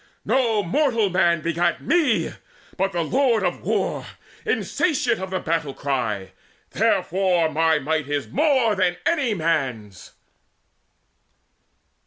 No mortal man begat me, but the Lord Of War, insatiate of the battle cry. Therefore my might is more than any man's."